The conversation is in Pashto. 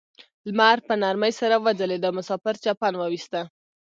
لمر په نرمۍ سره وځلید او مسافر چپن وویسته.